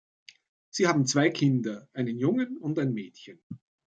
Sie haben zwei Kinder, einen Jungen und ein Mädchen.